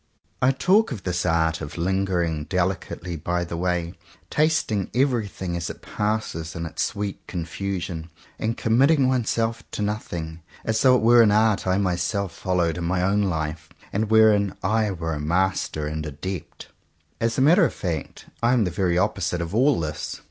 I talk of this art of Hngering deHcately by the way, tasting everything as it passes in its sweet confusion, and committing one self to nothing, as though it were an art I myself followed in my own life, and wherein I were a master and adept. As a matter of fact I am the very opposite of all this.